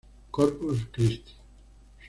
Corpus Cristi.